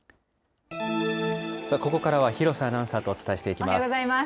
ここからは、廣瀬アナウンサーとお伝えしていきます。